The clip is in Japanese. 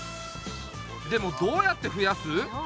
でもどうやってふやす？